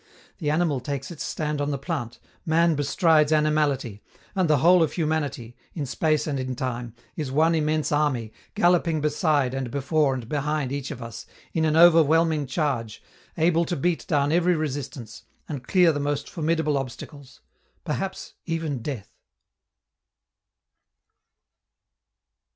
The animal takes its stand on the plant, man bestrides animality, and the whole of humanity, in space and in time, is one immense army galloping beside and before and behind each of us in an overwhelming charge able to beat down every resistance and clear the most formidable obstacles, perhaps even death.